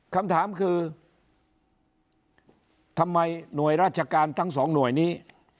คำถามคือทำไมหน่วยราชการทั้งสองหน่วยนี้